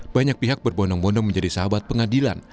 banyak pihak berbondong bondong menjadi sahabat pengadilan